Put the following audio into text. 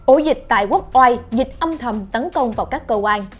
ổ dịch tại quốc oai dịch âm thầm tấn công vào các cơ quan